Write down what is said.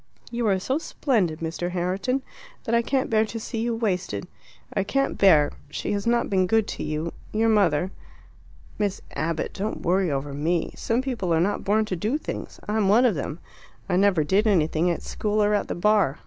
"You are so splendid, Mr. Herriton, that I can't bear to see you wasted. I can't bear she has not been good to you your mother." "Miss Abbott, don't worry over me. Some people are born not to do things. I'm one of them; I never did anything at school or at the Bar.